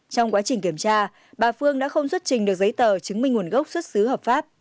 trong quá trình kiểm tra bà phương đã không xuất trình được giấy tờ chứng minh nguồn gốc xuất xứ hợp pháp